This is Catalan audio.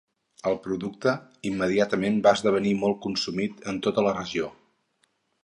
El producte immediatament va esdevenir molt consumit en tota la regió.